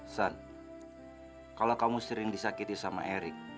san kalau kamu sering disakiti sama erik